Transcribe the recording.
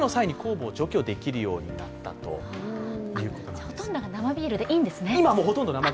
じゃあ今、ほとんどが生ビールでいいんですね。